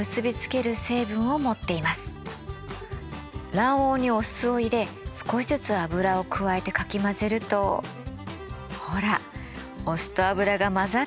卵黄にお酢を入れ少しずつ油を加えてかき混ぜるとほらお酢と油が混ざっていくでしょ。